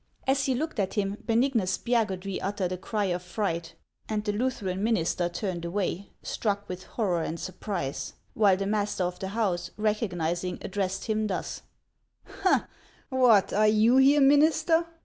As he looked at him, Benignus Spiagudry uttered a cry of fright, and the Lutheran minister turned away, struck with horror and surprise ; while the master of the house, recognizing, addressed him thus :" What, are you here, minister!